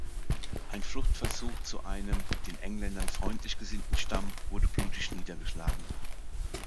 Ein Fluchtversuch zu einem, den Engländern freundlich gesinnten Stamm, wurde blutig niedergeschlagen.